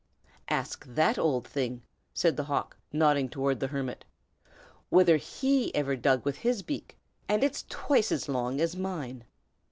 "Ask that old thing," said the hawk, nodding toward the hermit, "whether he ever dug with his beak; and it's twice as long as mine."